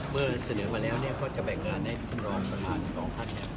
เมื่อเสนอมาแล้วก็จะแบ่งงานให้รองประธานสองท่าน